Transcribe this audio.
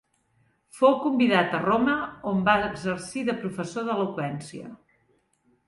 Fou convidat a Roma on va exercir de professor d'eloqüència.